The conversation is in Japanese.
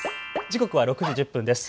時刻は６時１０分です。